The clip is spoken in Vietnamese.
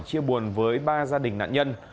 chia buồn với ba gia đình nạn nhân